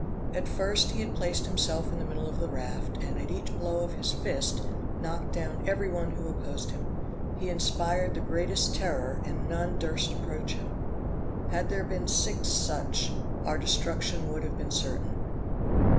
At first he had placed himself in the middle of the raft, and, at each blow of his fist, knocked down every one who opposed him; he inspired the greatest terror, and none durst approach him. Had there been six such, our destruction would have been certain.